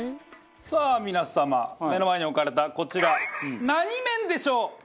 さあ皆様目の前に置かれたこちら何麺でしょう？